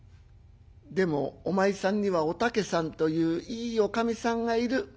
でもお前さんにはお竹さんといういいおかみさんがいる。